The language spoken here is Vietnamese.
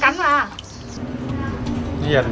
không không hỏi không hỏi